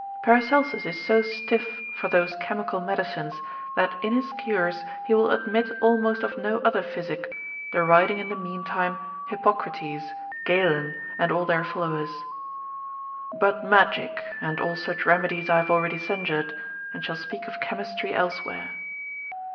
Paracelsus is so stiff for those chemical medicines, that in his cures he will admit almost of no other physic, deriding in the mean time Hippocrates, Galen, and all their followers: but magic, and all such remedies I have already censured, and shall speak of chemistry elsewhere.